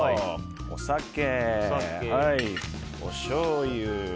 お酒、おしょうゆ。